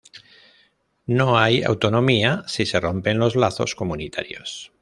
No hay autonomía si se rompen los lazos comunitarios.